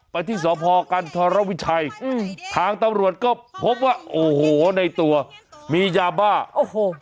ไปที่สพกันธรวิชัยอืมทางตำรวจก็พบว่าโอ้โหในตัวมียาบ้าโอ้โห